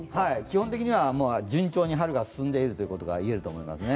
基本的には順調に春が進んでいるということが言えると思います。